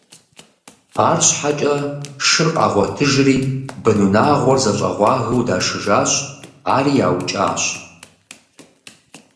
Арщхьэкӏэ шыр къагъуэтыжри, бынунагъуэр зэщӏэгъуагэу дашыжащ, ари яукӏащ.